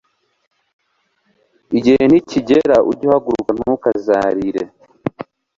igihe nikigera, ujye uhaguruka, ntukazarire